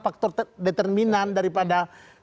faktor determinan daripada